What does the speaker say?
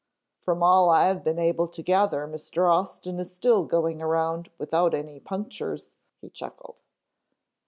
"From all I have been able to gather Mr. Austin is still going around without any punctures," he chuckled.